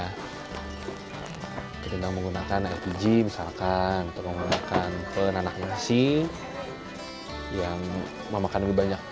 kita tentang menggunakan air pijing misalkan untuk menggunakan penanak nasi yang memakan lebih banyak